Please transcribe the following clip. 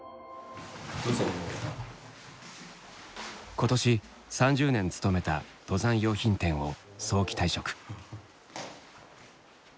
今年３０年勤めた登山用品店を早期退職。